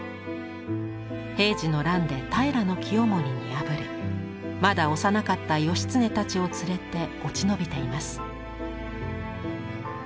平治の乱で平清盛に敗れまだ幼かった義経たちを連れて落ちのびています。